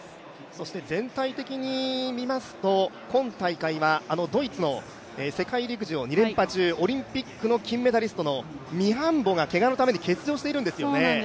そして全体的に見ますと、今大会ドイツの世界陸上、２連覇中オリンピックメダリストのミハンボがけがのために欠場しているんですよね。